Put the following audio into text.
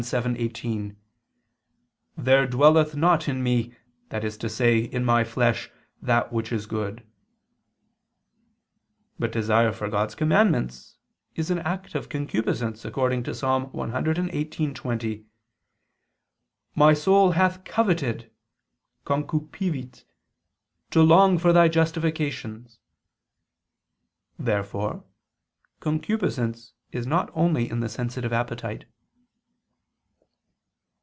7:18): "There dwelleth not in me, that is to say, in my flesh, that which is good." But desire for God's commandments is an act of concupiscence, according to Ps. 118:20: "My soul hath coveted (concupivit) to long for thy justifications." Therefore concupiscence is not only in the sensitive appetite.